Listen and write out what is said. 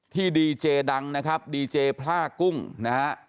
ที่ดีเจดังนะครับดีเจพระกุ้งนะครับ